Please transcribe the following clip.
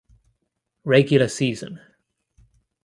Regular season